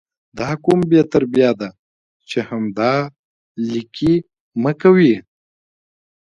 دا کوم بې تربیه ده چې همدا 💩 لیکي مه کوي